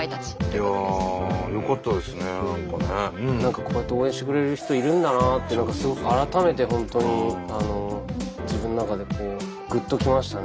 こうやって応援してくれる人いるんだなって何かすごく改めて本当に自分の中でこうグッときましたね。